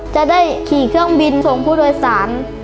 จะได้ขี่เครื่องบินส่งผู้โดยสาร